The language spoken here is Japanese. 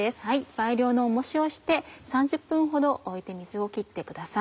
倍量の重石をして３０分ほど置いて水を切ってください。